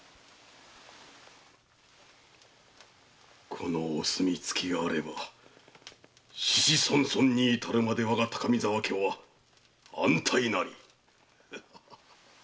このお墨付きがあれば子々孫々に至るまで我が高見沢家は安泰なり。